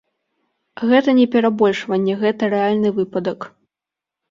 Гэта не перабольшванне, гэта рэальны выпадак.